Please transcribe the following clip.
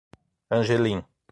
Angelim